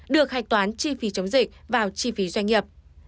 được hạch toán chi phí chống dịch vào chi phí doanh nghiệp